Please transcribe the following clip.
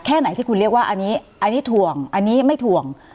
แค่ไหนที่คุณเรียกว่าอันนี้อันนี้ถ่วงอันนี้ไม่ถ่วง